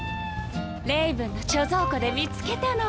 レイブンの貯蔵庫で見つけたの。